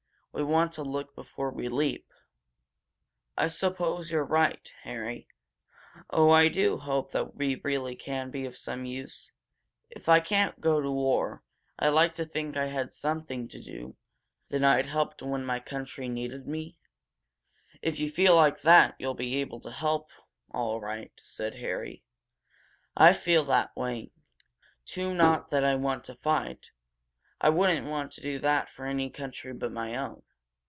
We want to look before we leap." "I suppose you're right, Harry. Oh, I do hope we can really be of some use! If I can't go to the war, I'd like to think I'd had something to do that I'd helped when my country needed me!" "If you feel like that you'll be able to help, all right," said Harry. "I feel that way, too not that I want to fight. I wouldn't want to do that for any country but my own.